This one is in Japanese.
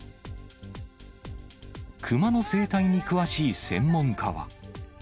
熊の生態に詳しい専門家は。